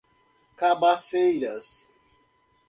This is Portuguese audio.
Cabaceiras